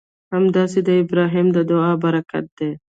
همداسې د ابراهیم د دعا برکت دی.